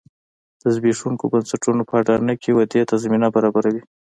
د زبېښونکو بنسټونو په اډانه کې ودې ته زمینه برابروي